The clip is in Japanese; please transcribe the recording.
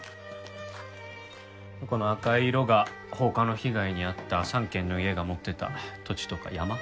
この赤い色が放火の被害に遭った３軒の家が持っていた土地とか山。